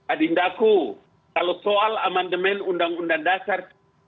adindaku kalau soal amandemen undang undang dasar seribu sembilan ratus empat puluh